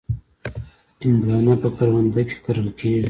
هندوانه په کرونده کې کرل کېږي.